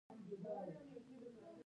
د نرخ تعدیل د خرڅ توازن ساتي.